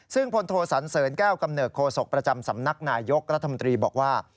ซึ่งพลโทสันเสริญแก้วกำเนิดโคศกประจำสำนักนายยกรัฐมนตรีบอกว่า